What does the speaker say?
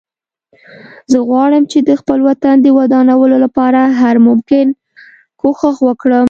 زه غواړم چې د خپل وطن د ودانولو لپاره هر ممکن کوښښ وکړم